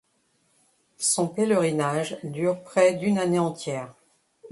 Son pèlerinage dure près d'une année entière.